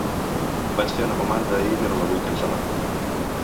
Vaig fer una comanda ahir però la vull cancel·lar.